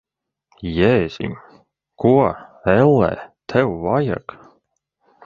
Jēziņ! Ko, ellē, tev vajag?